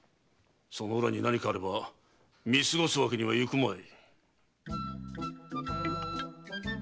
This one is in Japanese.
その裏に何かあれば見過ごすわけにはいくまい。